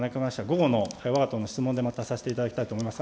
午後のわが党の質問でまたさせていただきたいと思います。